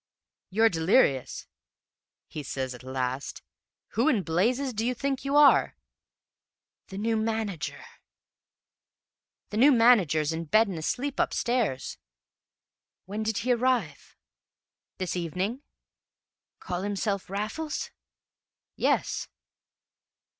"'You're delirious,' he says at last. 'Who in blazes do you think you are?' "'The new manager.' "'The new manager's in bed and asleep upstairs.' "'When did he arrive?' "'This evening.' "'Call himself Raffles?' "'Yes.'